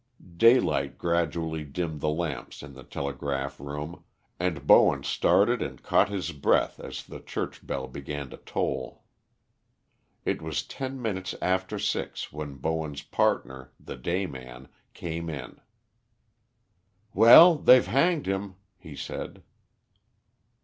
Daylight gradually dimmed the lamps in the telegraph room, and Bowen started and caught his breath as the church bell began to toll. It was ten minutes after six when Bowen's partner, the day man, came in. "Well, they've hanged him," he said.